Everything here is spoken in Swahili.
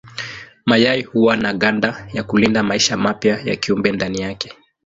Mayai huwa na ganda ya kulinda maisha mapya ya kiumbe ndani yake.